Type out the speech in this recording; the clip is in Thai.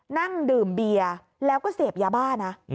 นั่งดื่มเบียร์แล้วก็เสพยาบ้านะ